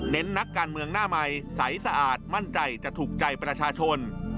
นักการเมืองหน้าใหม่ใสสะอาดมั่นใจจะถูกใจประชาชน